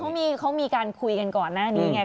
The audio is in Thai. คือเขามีการคุยกันก่อนดีอีกไง